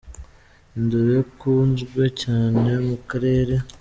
Indoro ya kunzwe cyane mu karere